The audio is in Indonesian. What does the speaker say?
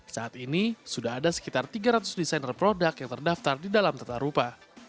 saat ini sudah ada sekitar tiga ratus desainer produk yang terdaftar di dalam tata rupa